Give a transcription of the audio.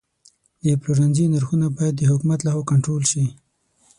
د پلورنځي نرخونه باید د حکومت لخوا کنټرول شي.